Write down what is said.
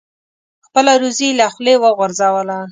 خپله روزي یې له خولې وغورځوله.